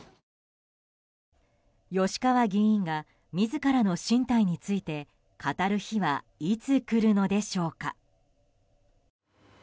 吉川議員が自らの進退について語る日はいつ来るのでしょうか。